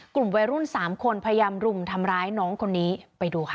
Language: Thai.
กลุ่มวัยรุ่นสามคนพยายามรุมทำร้ายน้องคนนี้ไปดูค่ะ